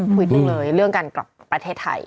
คุยจังเลยเรื่องการกลับประเทศไทย